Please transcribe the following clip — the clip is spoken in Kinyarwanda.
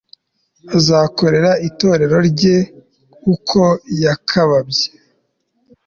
Azakorera Itorero rye uko yakabazye